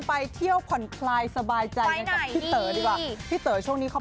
ไปเที่ยวผ่อนไกลสบายใจกับพี่เต๋อดีกว่า